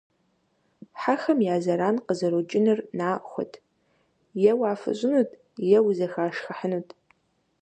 Хьэхэм я зэран къызэрокӀынур нахуэт - е уафыщӏынут, е узэхашхыхьынут.